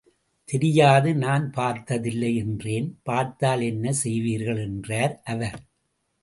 தெரியாது நான் பாத்ததில்லை என்றேன். பார்த்தால் என்ன செய்வீர்கள்? என்றார் அவர்.